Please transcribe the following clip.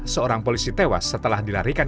seorang polisi tewas setelah dilarikan